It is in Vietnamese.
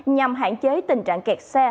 nhằm hạn chế tình trạng kẹt xe